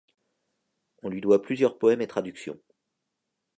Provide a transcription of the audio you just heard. On lui doit plusieurs poèmes et traductions.